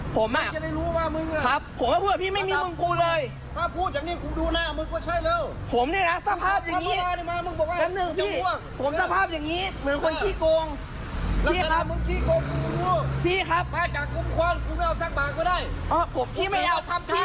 ผมเนี่ยนะสภาพอย่างนี้